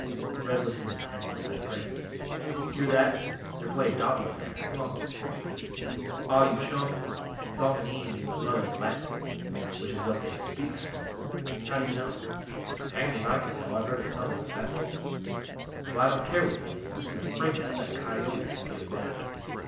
... Red listened intently and then grinned. "Hear that? They're playing dominoes in there come on!" "Aw, you chump! 'Dominee' means 'mother' in Latin, which is what they speaks." "How do you know?" "Hanged if I can tell I've heard it somewhere, that's all." "Well, I don't care what it means. This is a frame up so that coyote can get away.